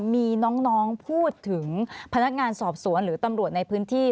มีน้องพูดถึงพนักงานสอบสวนหรือตำรวจในพื้นที่